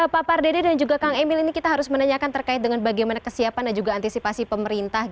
pak pardede dan juga kang emil ini kita harus menanyakan terkait dengan bagaimana kesiapan dan juga antisipasi pemerintah